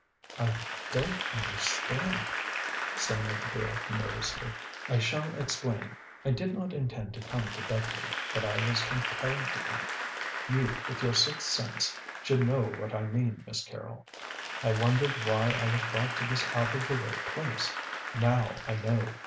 "I don't understand," stammered the girl nervously. "I shall explain. I did not intend to come to Beckleigh, but I was compelled to come. You, with your sixth sense, should know what I mean, Miss Carrol. I wondered why I was brought to this out of the way place. Now I know.